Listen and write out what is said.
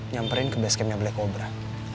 nyamperin ke base campnya black cobra